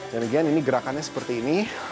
dan again ini gerakannya seperti ini